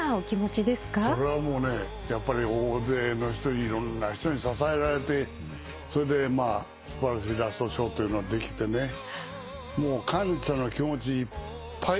それはもうねやっぱり大勢の人にいろんな人に支えられてそれでまあ素晴らしいラストショーというのをできてねもう感謝の気持ちでいっぱい。